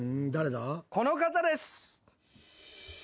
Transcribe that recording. この方です。